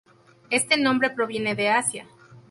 Este nombre proviene de Asia.